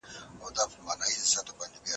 هغه د ژمنو ماتول بد اخلاق ګڼل.